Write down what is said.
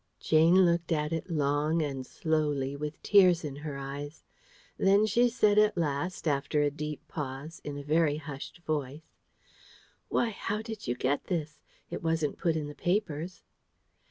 Jane looked at it long and slowly, with tears in her eyes. Then she said at last, after a deep pause, in a very hushed voice: "Why, how did you get this? It wasn't put in the papers."